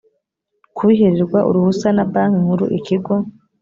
kubihererwa uruhusa na banki nkuru ikigo